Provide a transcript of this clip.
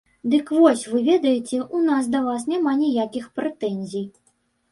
Дык вось, вы ведаеце, у нас да вас няма ніякіх прэтэнзій.